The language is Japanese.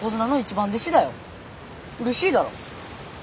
うれしいだろ。